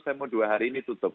saya mau dua hari ini tutup